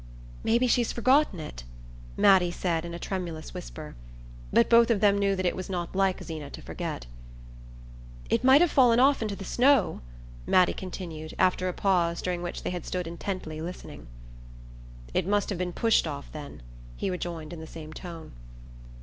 "Maybe she's forgotten it," Mattie said in a tremulous whisper; but both of them knew that it was not like Zeena to forget. "It might have fallen off into the snow," Mattie continued, after a pause during which they had stood intently listening. "It must have been pushed off, then," he rejoined in the same tone.